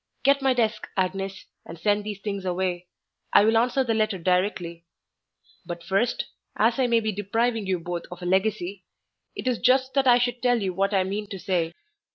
Get my desk, Agnes, and send these things away: I will answer the letter directly. But first, as I may be depriving you both of a legacy, it is just that I should tell you what I mean to say.